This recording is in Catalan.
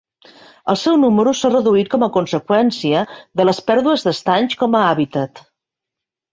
El seu número s'ha reduït com a conseqüència de les pèrdues d'estanys com a habitat.